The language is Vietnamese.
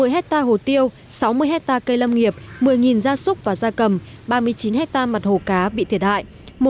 một mươi hectare hồ tiêu sáu mươi hectare cây lâm nghiệp một mươi gia súc và da cầm ba mươi chín hectare mặt hồ cá bị thiệt hại